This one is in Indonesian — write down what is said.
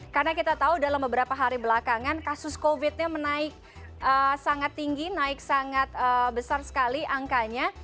karena kita tahu dalam beberapa hari belakangan kasus covid nya menaik sangat tinggi naik sangat besar sekali angkanya